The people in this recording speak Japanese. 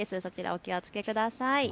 お気をつけください。